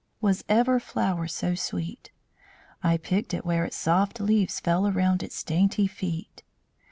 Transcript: Was ever flower so sweet? I picked it where its soft leaves fell Around its dainty feet.